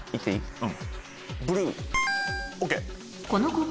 うん。